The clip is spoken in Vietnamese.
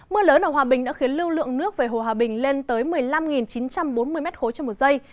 mưa lớn ở hòa bình đã khiến lưu lượng nước về hồ hòa bình lên tới một mươi năm chín trăm bốn mươi m ba trên một giây